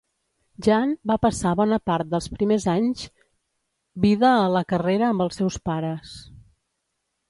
Jean va passar bona part dels primers anys vida a la carrera amb els seus pares.